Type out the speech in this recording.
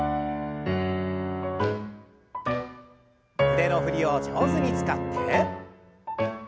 腕の振りを上手に使って。